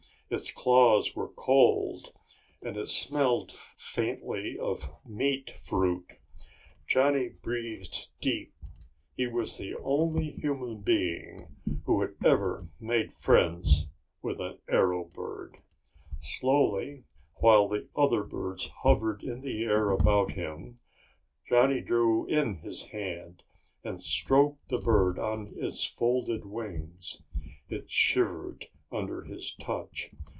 Its claws were cold and it smelled faintly of meat fruit. Johnny breathed deep. He was the only human being who had ever made friends with an arrow bird. Slowly, while the other birds hovered in the air about him, Johnny drew in his hand and stroked the bird on its folded wings. It shivered under his touch.